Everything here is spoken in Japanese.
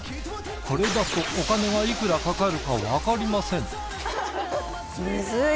これだとお金がいくらかかるかわかりません。